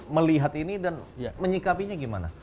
melihat ini dan menyikapinya gimana